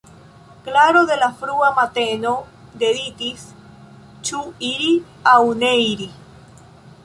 Klaro de la frua mateno meditis: ĉu iri, aŭ ne iri?